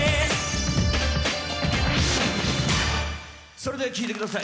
それでは聴いてください。